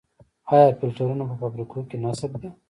آیا فلټرونه په فابریکو کې نصب دي؟